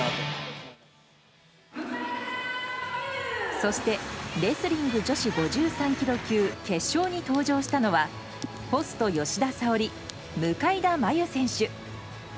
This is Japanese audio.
そしてレスリング女子５３ｋｇ級決勝に登場したのはポスト吉田沙保里、向田真優選手。